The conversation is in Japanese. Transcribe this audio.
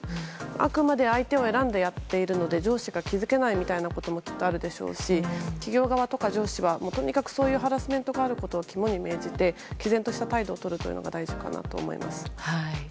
あくまで相手を選んでやっているので上司が気付けないみたいなこともきっとあるでしょうし企業側や上司はとにかくそういうハラスメントがあることを肝に銘じて毅然とした態度をとるのが大事だと思います。